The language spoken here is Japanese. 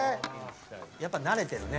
やっぱり慣れてるね。